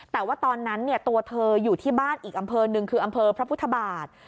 แต่ว่าตอนนั้นตัวเธออยู่ที่บ้านอีกอำเภอหนึ่งคืออำเภอพระพุทธบาท